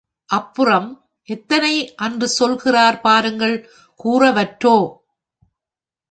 அப்புறம் எத்தனை அன்று சொல்கிறார் பாருங்கள் கூறவற்றோ?